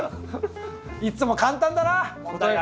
いつも簡単だな問題が！